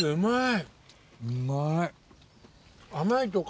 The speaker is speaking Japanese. うまい。